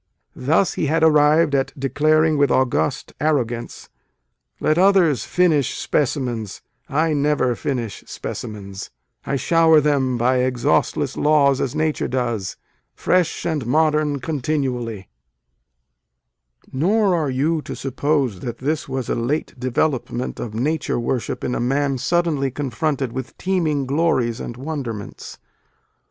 Thus he had arrived at declaring, with august arrogance :" Let others finish specimens I never finish specimens : I shower them by exhaustless laws as Nature does, fresh and modern continually." A DAY WITH WALT WHITMAN. Nor are you to suppose that this was a late development of nature worship in a man suddenly confronted with teeming glories and wonderments.